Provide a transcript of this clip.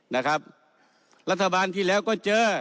นะครับรัฐบาลที่แล้วก็เจอ